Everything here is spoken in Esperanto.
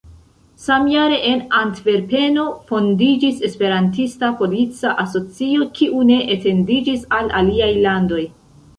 Samjare en Antverpeno fondiĝis Esperantista Polica Asocio, kiu ne etendiĝis al aliaj landoj.